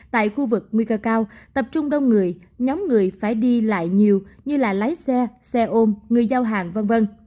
tại khu vực nguy cơ cao tập trung đông người nhóm người phải đi lại nhiều như lái xe xe ôm người giao hàng v v